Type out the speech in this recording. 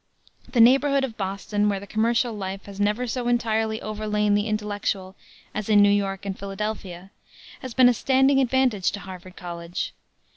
The neighborhood of Boston, where the commercial life has never so entirely overlain the intellectual as in New York and Philadelphia, has been a standing advantage to Harvard College.